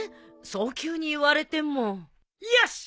そう急に言われても。よしっ！